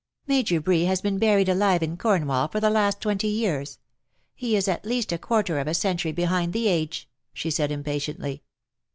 * "Major Bree has been buried alive in Cornwall for the last twenty years. He is at least a quarter of a century behind the age," she said, impatiently.